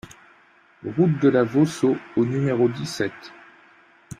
Route de la Vauceau au numéro dix-sept